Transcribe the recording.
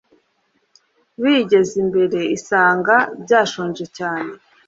biyigeze imbere isanga byashonje cyane